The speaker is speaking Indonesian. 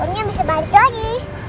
burungnya bisa balik lagi